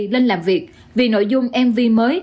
lên làm việc vì nội dung mv mới